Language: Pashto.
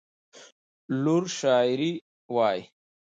لور شاعري وايي.